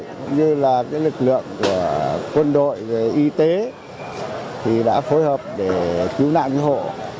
cũng như là lực lượng của quân đội y tế thì đã phối hợp để cứu nạn cứu hộ